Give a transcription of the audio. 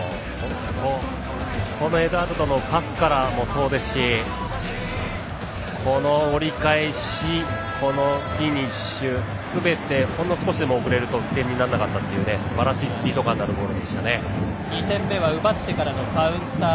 エドゥアルドのパスからもそうですしこの折り返し、このフィニッシュすべてほんの少しでも遅れると点にならなかったという２点目は奪ってからのカウンター。